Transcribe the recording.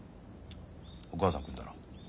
お母さん来るんだろ。